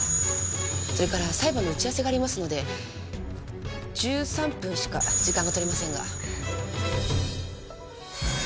それから裁判の打ち合わせがありますので１３分しか時間が取れませんが。